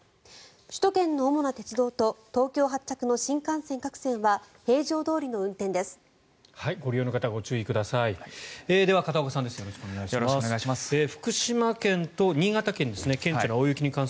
首都圏の主な鉄道と東京発着の新幹線各線は平常どおりの運転です。